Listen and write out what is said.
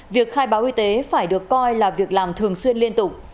việc khai báo y tế phải được coi là việc làm thường xuyên liên tục